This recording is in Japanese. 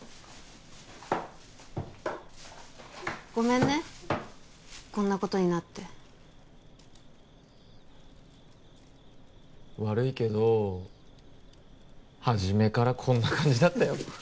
ごめんねこんなことになって悪いけど初めからこんな感じだったよ